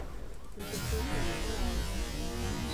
于是出现康瓦尔一词。